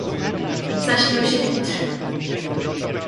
"Zaśmiał się chytrze."